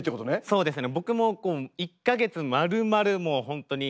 そうですね。